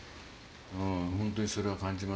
本当にそれは感じます。